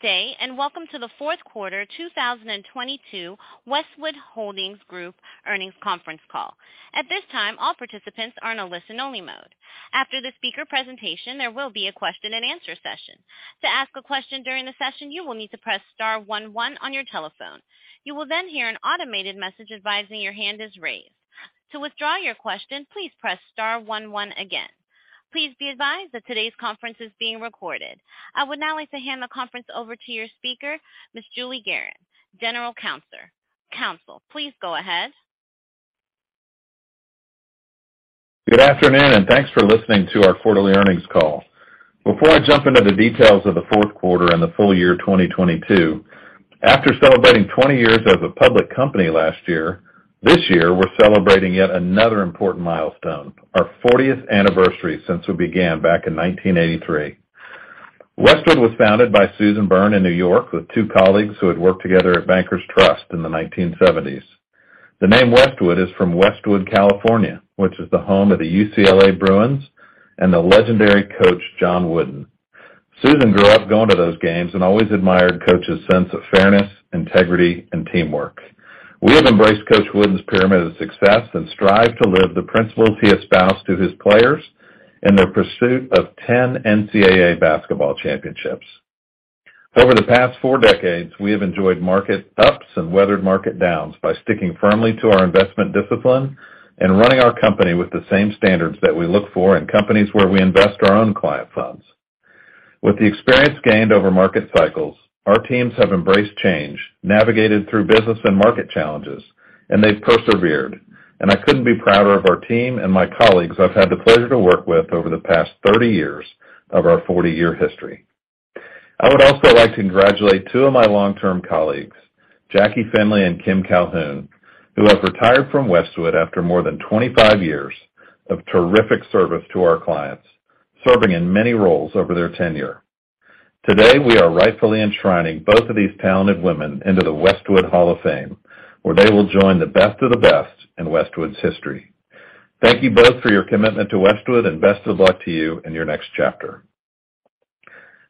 Good day, and welcome to the fourth quarter 2022 Westwood Holdings Group earnings conference call. At this time, all participants are in a listen-only mode. After the speaker presentation, there will be a question-and-answer session. To ask a question during the session, you will need to press star one one on your telephone. You will then hear an automated message advising your hand is raised. To withdraw your question, please press star one one again. Please be advised that today's conference is being recorded. I would now like to hand the conference over to your speaker, Julie Gerron, General Counsel. Counsel, please go ahead. Good afternoon, thanks for listening to our quarterly earnings call. Before I jump into the details of the fourth quarter and full-year 2022, after celebrating 20 years as a public company last year, this year, we're celebrating yet another important milestone, our 40th anniversary since we began back in 1983. Westwood was founded by Susan Byrne in New York with two colleagues who had worked together at Bankers Trust in the 1970s. The name Westwood is from Westwood, California, which is the home of the UCLA Bruins and the legendary coach, John Wooden. Susan grew up going to those games and always admired Coach's sense of fairness, integrity, and teamwork. We have embraced Coach Wooden's Pyramid of Success and strive to live the principles he espoused to his players in their pursuit of 10 NCAA basketball championships. Over the past four decades, we have enjoyed market ups and weathered market downs by sticking firmly to our investment discipline and running our company with the same standards that we look for in companies where we invest our own client funds. With the experience gained over market cycles, our teams have embraced change, navigated through business and market challenges. They've persevered. I couldn't be prouder of our team and my colleagues I've had the pleasure to work with over the past 30 years of our 40-year history. I would also like to congratulate two of my long-term colleagues, Jackie Finley and Kim Calhoun, who have retired from Westwood after more than 25 years of terrific service to our clients, serving in many roles over their tenure. Today, we are rightfully enshrining both of these talented women into the Westwood Hall of Fame, where they will join the best of the best in Westwood's history. Thank you both for your commitment to Westwood, and best of luck to you in your next chapter.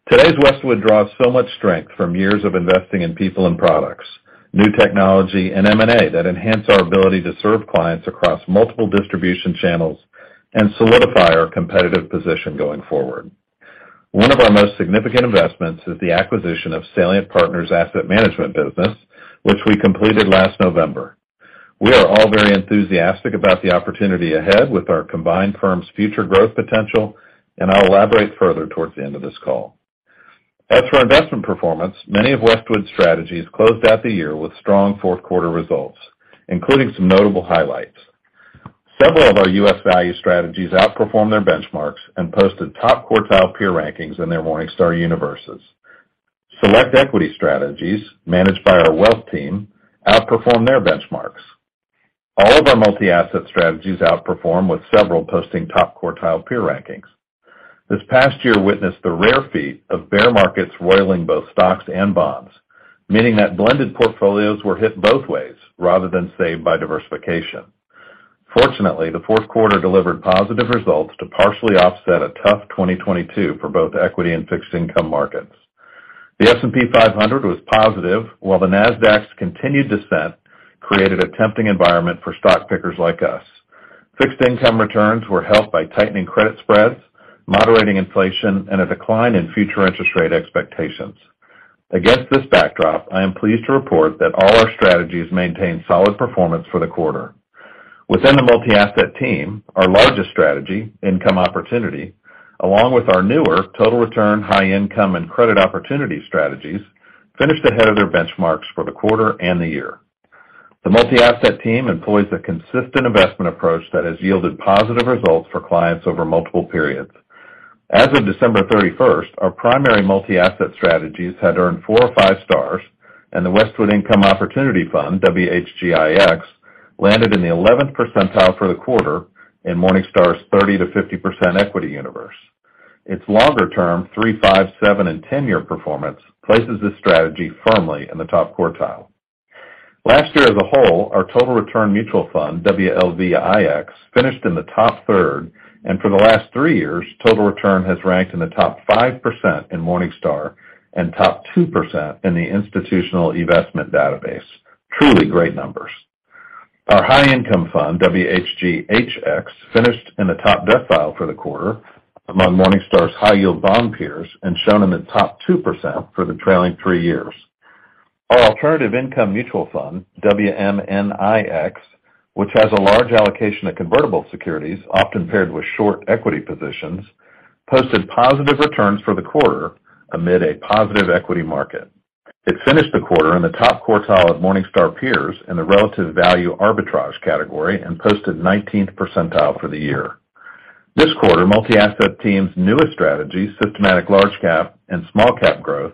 Today's Westwood draws so much strength from years of investing in people and products, new technology, and M&A that enhance our ability to serve clients across multiple distribution channels and solidify our competitive position going forward. One of our most significant investments is the acquisition of Salient Partner Asset Management business, which we completed last November. We are all very enthusiastic about the opportunity ahead with our combined firm's future growth potential, and I'll elaborate further towards the end of this call. As for investment performance, many of Westwood's strategies closed out the year with strong fourth quarter results, including some notable highlights. Several of our U.S. value strategies outperformed their benchmarks and posted top-quartile peer rankings in their Morningstar universes. Select equity strategies managed by our wealth team outperformed their benchmarks. All of our multi-asset strategies outperformed, with several posting top quartile peer rankings. This past year witnessed the rare feat of bear markets roiling both stocks and bonds, meaning that blended portfolios were hit both ways rather than saved by diversification. Fortunately, the fourth quarter delivered positive results to partially offset a tough 2022 for both equity and fixed income markets. The S&P 500 was positive, while the Nasdaq's continued descent created a tempting environment for stock pickers like us. Fixed income returns were helped by tightening credit spreads, moderating inflation, and a decline in future interest rate expectations. Against this backdrop, I am pleased to report that all our strategies maintained solid performance for the quarter. Within the multi-asset team, our largest strategy, Income Opportunity, along with our newer Total Return, High Income, and Credit Opportunity strategies, finished ahead of their benchmarks for the quarter and the year. The multi-asset team employs a consistent investment approach that has yielded positive results for clients over multiple periods. As of December 31st, our primary multi-asset strategies had earned 4 or 5 stars, and the Westwood Income Opportunity Fund, WHGIX, landed in the 11th percentile for the quarter in Morningstar's 30%-50% equity universe. Its longer-term 3-, 5-, 7-, and 10-year performance places this strategy firmly in the top quartile. Last year as a whole, our Total Return Mutual Fund (WLVIX), finished in the top third, and for the last 3 years, Total Return has ranked in the top 5% in Morningstar and top 2% in the Institutional Investor database. Truly great numbers. Our High Income Fund (WHGHX) finished in the top decile for the quarter among Morningstar's high-yield bond peers and shown in the top 2% for the trailing three years. Our Alternative Income Mutual Fund (WMNIX), which has a large allocation to convertible securities, often paired with short equity positions, posted positive returns for the quarter amid a positive equity market. It finished the quarter in the top quartile at Morningstar peers in the relative value arbitrage category and posted the 19th percentile for the year. This quarter, multi-asset team's newest strategy, systematic large-cap and small-cap growth,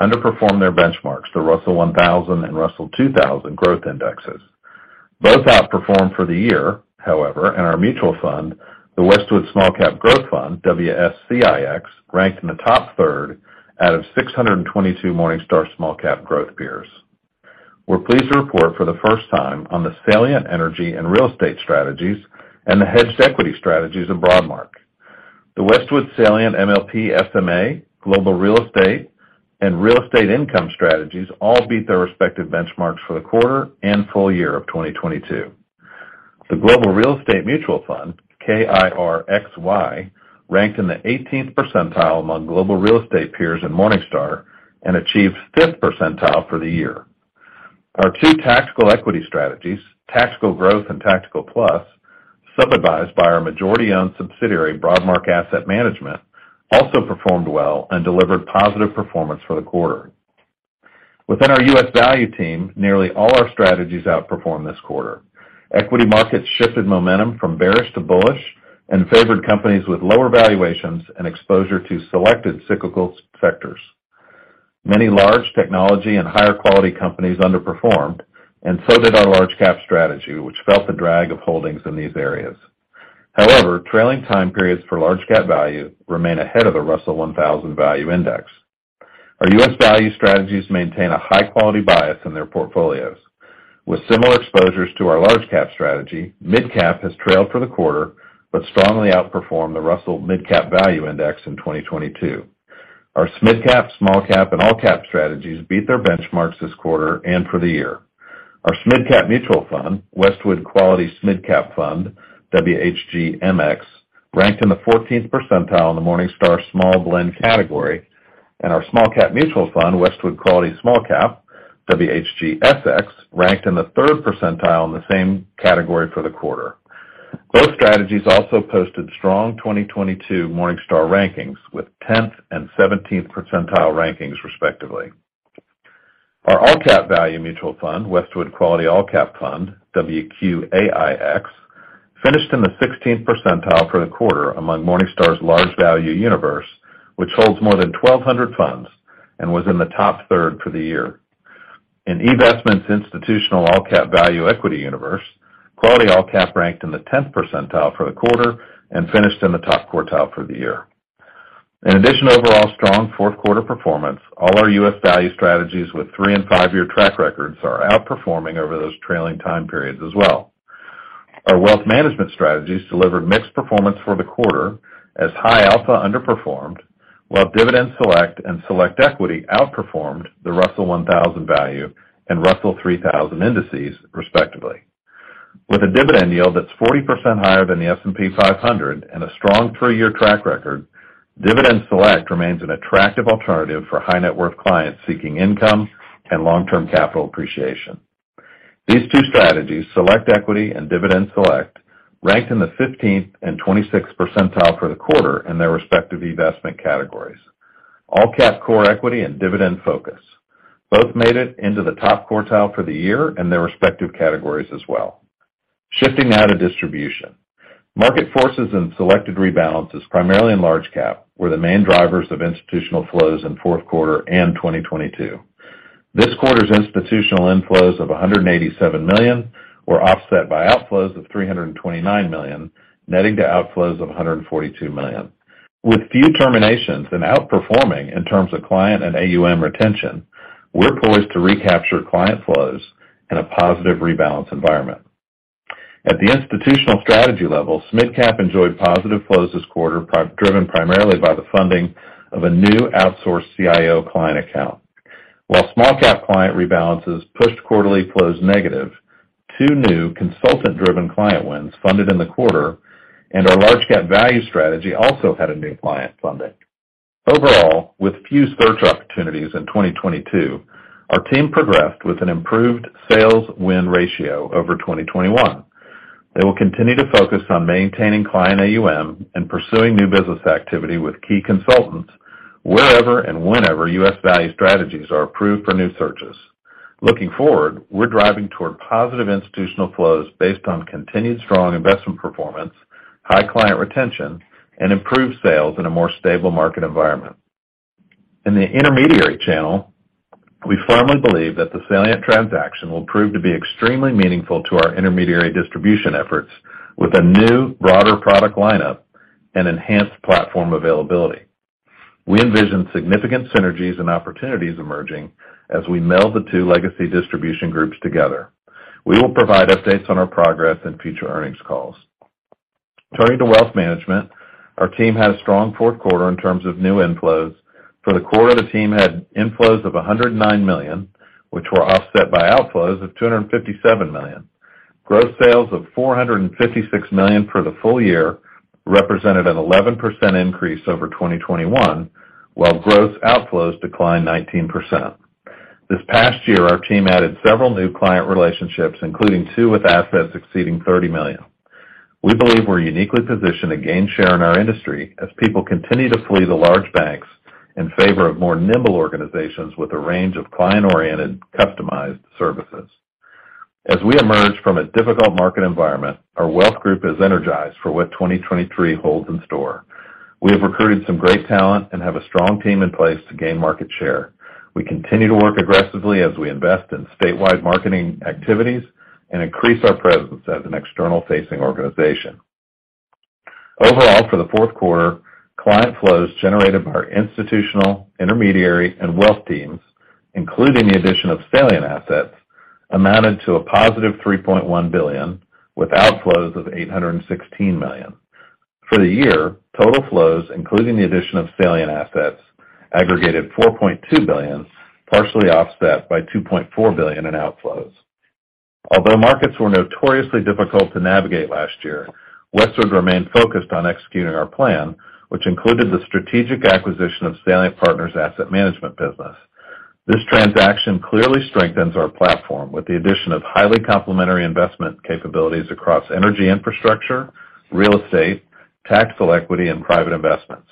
underperformed their benchmarks to Russell 1000 and Russell 2000 growth indexes. Both outperformed for the year, however, and our mutual fund, the Westwood SmallCap Growth Fund (WSCIX), ranked in the top third out of 622 Morningstar small-cap growth peers. We're pleased to report for the first time on the Salient energy and real estate strategies and the hedged equity strategies of Broadmark. The Westwood Salient MLP SMA, Global Real Estate, and Real Estate Income strategies all beat their respective benchmarks for the quarter and full year of 2022. The Global Real Estate Mutual Fund (KIRYX), ranked in the 18th percentile among global real estate peers in Morningstar and achieved 5th percentile for the year. Our two tactical equity strategies, Tactical Growth and Tactical Plus, sub-advised by our majority-owned subsidiary, Broadmark Asset Management, also performed well and delivered positive performance for the quarter. Within our U.S. value team, nearly all our strategies outperformed this quarter. Equity markets shifted momentum from bearish to bullish and favored companies with lower valuations and exposure to selected cyclical sectors. Many large technology and higher quality companies underperformed, and so did our large-cap strategy, which felt the drag of holdings in these areas. However, trailing time periods for large-cap value remain ahead of the Russell 1000 Value Index. Our U.S. value strategies maintain a high-quality bias in their portfolios. With similar exposures to our large-cap strategy, mid-cap has trailed for the quarter, but strongly outperformed the Russell Mid-cap Value Index in 2022. Our mid-cap, small-cap, and all-cap strategies beat their benchmarks this quarter and for the year. Our SMidCap mutual fund, Westwood Quality SMidCap Fund (WHGMX) ranked in the 14th percentile in the Morningstar small-blend category, and our SmallCap mutual fund, Westwood Quality SmallCap Fund (WHGSX) ranked in the third percentile in the same category for the quarter. Both strategies also posted strong 2022 Morningstar rankings, with 10th and 17th percentile rankings, respectively. Our AllCap value mutual fund, Westwood Quality AllCap Fund (WQAIX) finished in the 16th percentile for the quarter among Morningstar's large-value universe, which holds more than 1,200 funds and was in the top third for the year. Investment's Institutional AllCap Value Equity universe, Quality AllCap ranked in the 10th percentile for the quarter and finished in the top quartile for the year. In addition to overall strong fourth-quarter performance, all our U.S. value strategies with three- and five-year track records are outperforming over those trailing time periods as well. Our wealth management strategies delivered mixed performance for the quarter as High Alpha underperformed, while Dividend Select and Select Equity outperformed the Russell 1000 Value and Russell 3000 Indices, respectively. With a dividend yield that's 40% higher than the S&P 500 and a strong three-year track record, Dividend Select remains an attractive alternative for high-net-worth clients seeking income and long-term capital appreciation. These two strategies, Select Equity and Dividend Select, ranked in the 15th and 26th percentile for the quarter in their respective investment categories. AllCap Core Equity and Dividend Focus both made it into the top quartile for the year in their respective categories as well. Shifting now to distribution. Market forces and selected rebalances, primarily in large-cap, were the main drivers of institutional flows in fourth quarter and 2022. This quarter's institutional inflows of $187 million were offset by outflows of $329 million, netting to outflows of $142 million. With few terminations and outperforming in terms of client and AUM retention, we're poised to recapture client flows in a positive rebalance environment. At the institutional strategy level, SMidCap enjoyed positive flows this quarter, driven primarily by the funding of a new outsourced CIO client account. While small-cap client rebalances pushed quarterly flows negative, two new consultant-driven client wins funded in the quarter and our large-cap value strategy also had a new client funded. Overall, with few search opportunities in 2022, our team progressed with an improved sales win ratio over 2021. They will continue to focus on maintaining client AUM and pursuing new business activity with key consultants wherever and whenever U.S. value strategies are approved for new searches. Looking forward, we're driving toward positive institutional flows based on continued strong investment performance, high client retention, and improved sales in a more stable market environment. In the intermediary channel, we firmly believe that the Salient transaction will prove to be extremely meaningful to our intermediary distribution efforts with a new, broader product lineup and enhanced platform availability. We envision significant synergies and opportunities emerging as we meld the two legacy distribution groups together. We will provide updates on our progress in future earnings calls. Turning to wealth management, our team had a strong fourth quarter in terms of new inflows. For the quarter, the team had inflows of $109 million, which were offset by outflows of $257 million. Gross sales of $456 million for the full year represented an 11% increase over 2021, while gross outflows declined 19%. This past year, our team added several new client relationships, including two with assets exceeding $30 million. We believe we're uniquely positioned to gain share in our industry as people continue to flee the large banks in favor of more nimble organizations with a range of client-oriented, customized services. As we emerge from a difficult market environment, our wealth group is energized for what 2023 holds in store. We have recruited some great talent and have a strong team in place to gain market share. We continue to work aggressively as we invest in statewide marketing activities and increase our presence as an external-facing organization. Overall, for the fourth quarter, client flows generated by our institutional, intermediary, and wealth teams, including the addition of Salient assets, amounted to a positive $3.1 billion, with outflows of $816 million. For the year, total flows, including the addition of Salient assets, aggregated $4.2 billion, partially offset by $2.4 billion in outflows. Markets were notoriously difficult to navigate last year, Westwood remained focused on executing our plan, which included the strategic acquisition of Salient Partners' Asset Management business. This transaction clearly strengthens our platform with the addition of highly complementary investment capabilities across energy infrastructure, real estate, taxable equity, and private investments.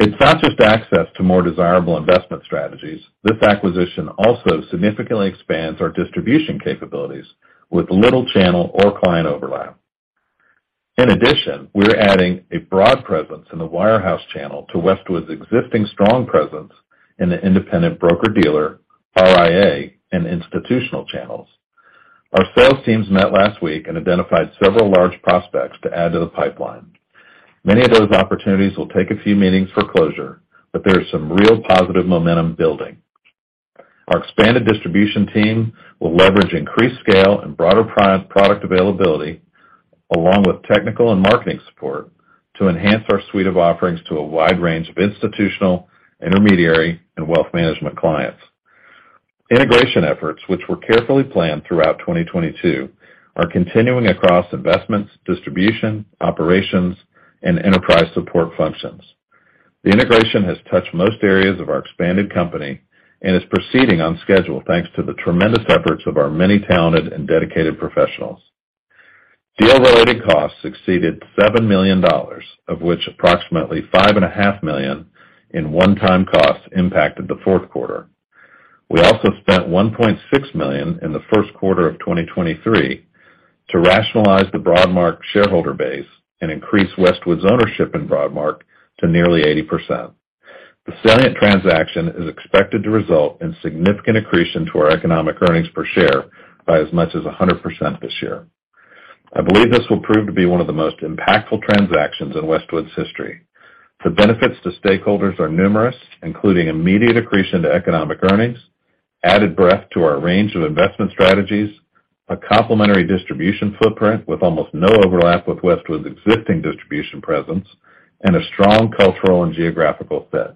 It's not just access to more desirable investment strategies. This acquisition also significantly expands our distribution capabilities with little channel or client overlap. We're adding a broad presence in the wirehouse channel to Westwood's existing strong presence in the independent broker-dealer, RIA, and institutional channels. Our sales teams met last week and identified several large prospects to add to the pipeline. Many of those opportunities will take a few meetings for closure, there is some real positive momentum building. Our expanded distribution team will leverage increased scale and broader product availability along with technical and marketing support to enhance our suite of offerings to a wide range of institutional, intermediary, and wealth management clients. Integration efforts, which were carefully planned throughout 2022, are continuing across investments, distribution, operations, and enterprise support functions. The integration has touched most areas of our expanded company and is proceeding on schedule, thanks to the tremendous efforts of our many talented and dedicated professionals. Deal-related costs exceeded $7 million, of which approximately $5.5 million in one-time costs impacted the fourth quarter. We also spent $1.6 million in the first quarter of 2023 to rationalize the Broadmark shareholder base and increase Westwood's ownership in Broadmark to nearly 80%. The Salient transaction is expected to result in significant accretion to our economic earnings per share by as much as 100% this year. I believe this will prove to be one of the most impactful transactions in Westwood's history. The benefits to stakeholders are numerous, including immediate accretion to economic earnings, added breadth to our range of investment strategies, a complementary distribution footprint with almost no overlap with Westwood's existing distribution presence, and a strong cultural and geographical fit.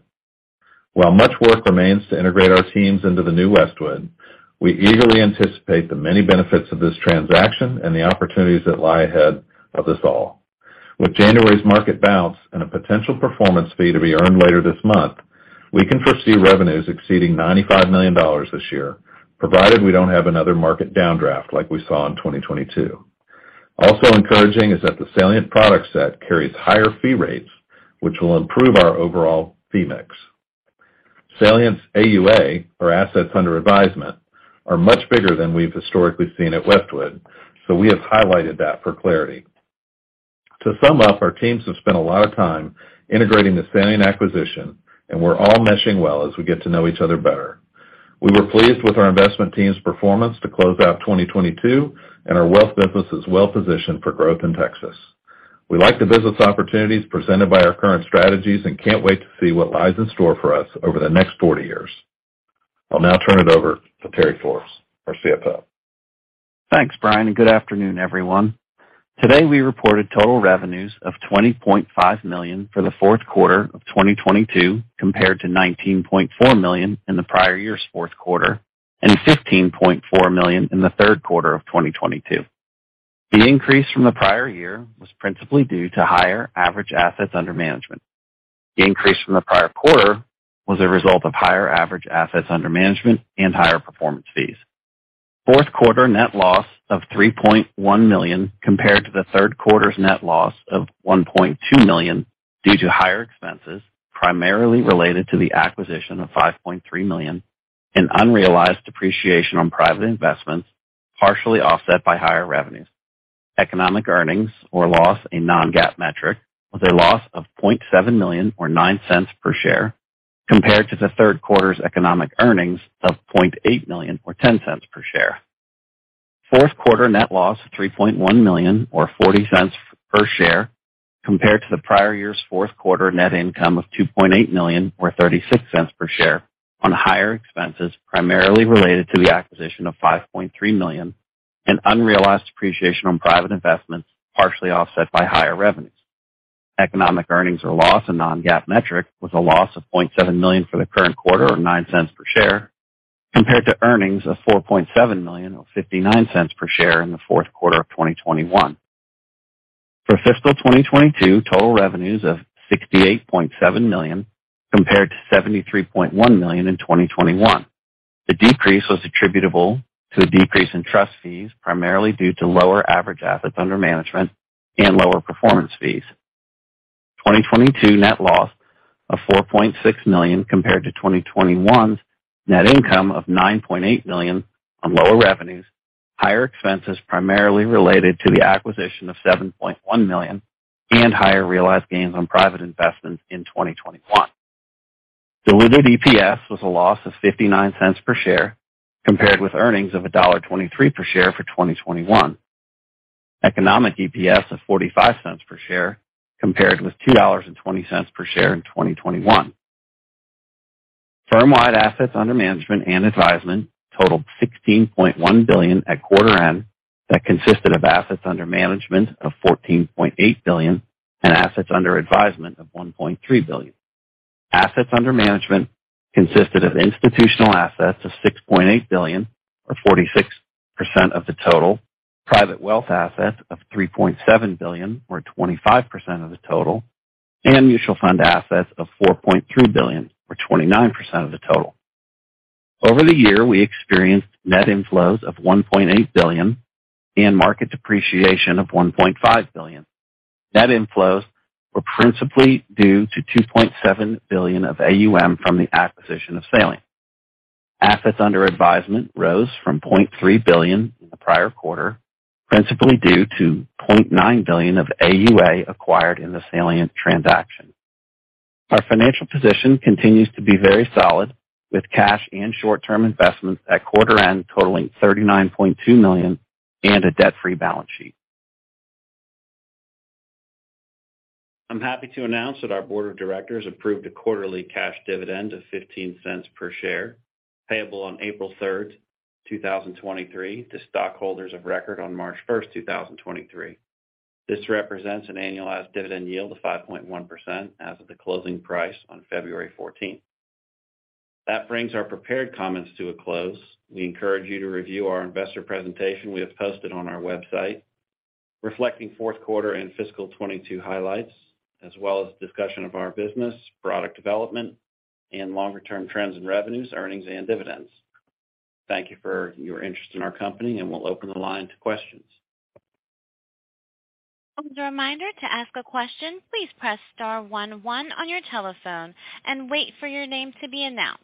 While much work remains to integrate our teams into the new Westwood, we eagerly anticipate the many benefits of this transaction and the opportunities that lie ahead of us all. With January's market bounce and a potential performance fee to be earned later this month, we can foresee revenues exceeding $95 million this year, provided we don't have another market downdraft like we saw in 2022. Encouraging is that the Salient product set carries higher fee rates, which will improve our overall fee mix. Salient's AUA (assets under advisement), are much bigger than we've historically seen at Westwood, we have highlighted that for clarity. To sum up, our teams have spent a lot of time integrating the Salient acquisition, and we're all meshing well as we get to know each other better. We were pleased with our investment team's performance to close out 2022, and our wealth business is well positioned for growth in Texas. We like the business opportunities presented by our current strategies and can't wait to see what lies in store for us over the next 40 years. I'll now turn it over to Terry Forbes, our CFO. Thanks, Brian, and good afternoon, everyone. Today, we reported total revenues of $20.5 million for the fourth quarter of 2022 compared to $19.4 million in the prior year's fourth quarter and $15.4 million in the third quarter of 2022. The increase from the prior year was principally due to higher average assets under management. The increase from the prior quarter was a result of higher average assets under management and higher performance fees. Fourth-quarter net loss of $3.1 million compared to the third quarter's net loss of $1.2 million due to higher expenses, primarily related to the acquisition of $5.3 million in unrealized depreciation on private investments, partially offset by higher revenues. Economic earnings or loss in a non-GAAP metric was a loss of $0.7 million or $0.09 per share, compared to the third quarter's economic earnings of $0.8 million or $0.10 per share. Fourth-quarter net loss $3.1 million or $0.40 per share compared to the prior year's fourth-quarter net income of $2.8 million or $0.36 per share on higher expenses, primarily related to the acquisition of $5.3 million and unrealized depreciation on private investments, partially offset by higher revenues. Economic earnings or loss in non-GAAP metric was a loss of $0.7 million for the current quarter or $0.09 per share compared to earnings of $4.7 million or $0.59 per share in the fourth quarter of 2021. For fiscal year 2022, total revenues of $68.7 million compared to $73.1 million in 2021. The decrease was attributable to a decrease in trust fees, primarily due to lower average assets under management and lower performance fees. 2022 net loss of $4.6 million compared to 2021 net income of $9.8 million on lower revenues, higher expenses primarily related to the acquisition of $7.1 million, and higher realized gains on private investments in 2021. Diluted EPS was a loss of $0.59 per share compared with earnings of $1.23 per share for 2021. Economic EPS of $0.45 per share compared with $2.20 per share in 2021. Firm-wide assets under management and advisement totaled $16.1 billion at quarter-end. Consisted of assets under management of $14.8 billion and assets under advisement of $1.3 billion. Assets under management consisting of institutional assets of $6.8 billion or 46% of the total. Private wealth assets of $3.7 billion or 25% of the total, and mutual fund assets of $4.3 billion or 29% of the total. Over the year, we experienced net inflows of $1.8 billion and market depreciation of $1.5 billion. Net inflows were principally due to $2.7 billion of AUM from the acquisition of Salient. Assets under advisement rose from $0.3 billion in the prior-quarter, principally due to $0.9 billion of AUA acquired in the Salient transaction. Our financial position continues to be very solid, with cash and short-term investments at quarter-end totaling $39.2 million and a debt-free balance sheet. I'm happy to announce that our Board of Directors approved a quarterly cash dividend of $0.15 per share, payable on April 3, 2023, to stockholders of record on March 1, 2023. This represents an annualized dividend yield of 5.1% as of the closing price on February 14, 2023. That brings our prepared comments to a close. We encourage you to review our investor presentation we have posted on our website, reflecting fourth-quarter and fiscal 2022 highlights, as well as discussion of our business, product development, and longer term trends in revenues, earnings, and dividends. Thank you for your interest in our company, and we'll open the line to questions. As a reminder, to ask a question, please press star one one on your telephone and wait for your name to be announced.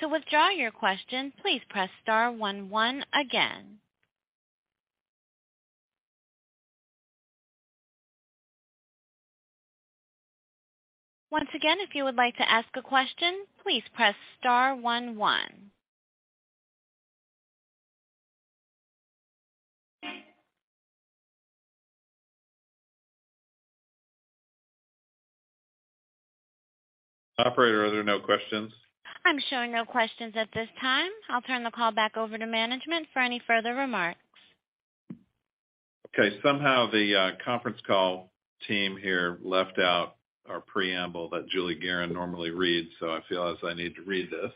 To withdraw your question, please press star one one again. Once again, if you would like to ask a question, please press star one one. Operator, are there no questions? I'm showing no questions at this time. I'll turn the call back over to management for any further remarks. Okay. Somehow the conference call team here left out our preamble that Julie Gerron normally reads, so I feel as I need to read this.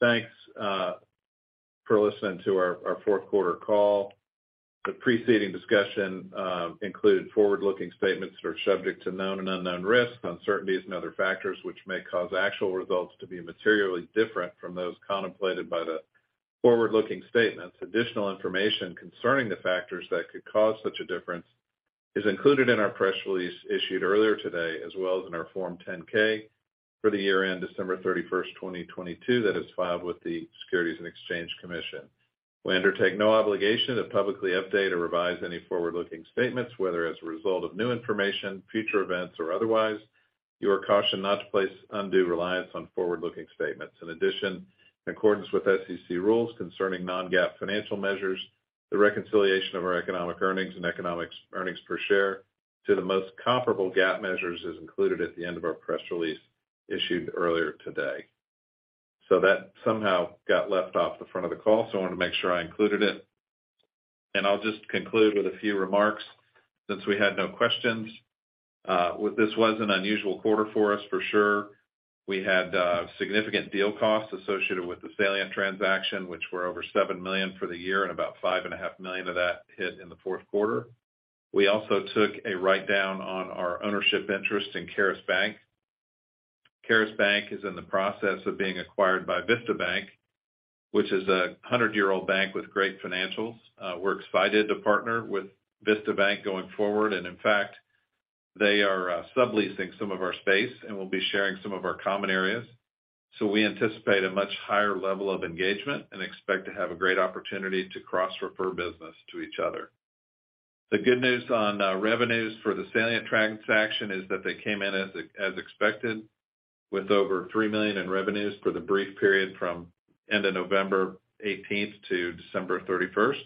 Thanks for listening to our fourth quarter call. The preceding discussion included forward-looking statements that are subject to known and unknown risks, uncertainties, and other factors which may cause actual results to be materially different from those contemplated by the forward-looking statements. Additional information concerning the factors that could cause such a difference is included in our press release issued earlier today, as well as in our Form 10-K for the year-end December 31st, 2022 that is filed with the Securities and Exchange Commission. We undertake no obligation to publicly update or revise any forward-looking statements, whether as a result of new information, future events, or otherwise. You are cautioned not to place undue reliance on forward-looking statements. In addition, in accordance with SEC rules concerning a non-GAAP financial measures, the reconciliation of our economic earnings and economics earnings per share to the most comparable GAAP measures is included at the end of our press release issued earlier today. That somehow got left off the front of the call, so I want to make sure I included it. I'll just conclude with a few remarks since we had no questions. This was an unusual quarter for us for sure. We had significant deal costs associated with the Salient transaction, which were over $7 million for the year and about $5.5 million Of that hit in the fourth quarter. We also took a write-down on our ownership interest in Charis Bank. Charis Bank is in the process of being acquired by Vista Bank, which is a 100-year-old bank with great financials. We're excited to partner with Vista Bank going forward, and in fact, they are subleasing some of our space, and we'll be sharing some of our common areas. We anticipate a much higher level of engagement and expect to have a great opportunity to cross-refer business to each other. The good news on revenues for the Salient transaction is that they came in as expected with over $3 million in revenues for the brief period from end of November 18th to December 31st.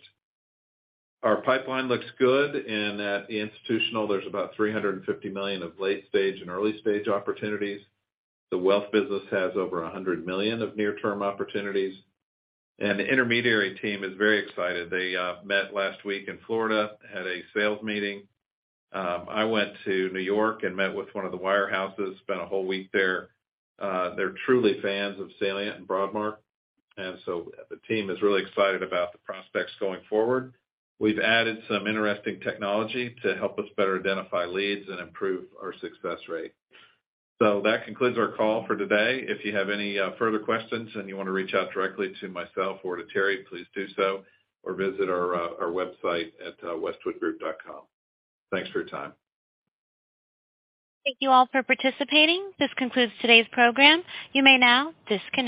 Our pipeline looks good, and at institutional there's about $350 million of late stage and early stage opportunities. The wealth business has over $100 million of near-term opportunities. The intermediary team is very excited. They met last week in Florida and had a sales meeting. I went to New York and met with one of the wirehouses, spent a whole week there. They're truly fans of Salient and Broadmark, the team is really excited about the prospects going forward. We've added some interesting technology to help us better identify leads and improve our success rate. That concludes our call for today. If you have any further questions and you want to reach out directly to myself or to Terry, please do so, or visit our website at westwoodgroup.com. Thanks for your time. Thank you all for participating. This concludes today's program. You may now disconnect.